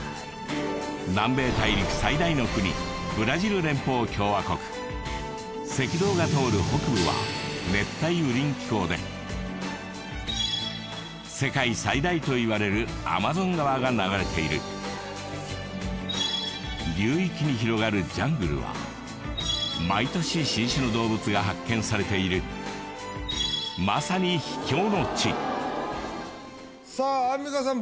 南米大陸最大の国赤道が通る北部は熱帯雨林気候で世界最大といわれるアマゾン川が流れている流域に広がるジャングルは毎年新種の動物が発見されているまさに秘境の地さあアンミカさん